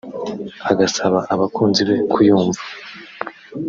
agasaba abakunzi be kuyumva